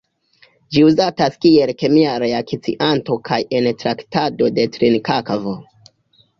Ĝi uzatas kiel kemia reakcianto kaj en traktado de trinkakvo.